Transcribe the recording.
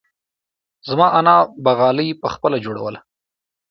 زما انا به غالۍ پخپله جوړوله.